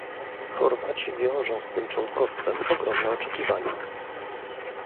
Chorwaci wiążą z tym członkostwem ogromne oczekiwania